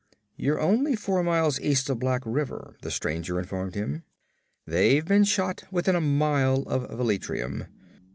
'You're only four miles east of Black River,' the stranger informed him. 'They've been shot within a mile of Velitrium.